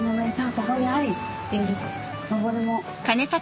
ここにあり」ってのぼりも。